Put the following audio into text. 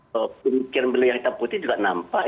pemikiran beliau yang hitam putih juga nampak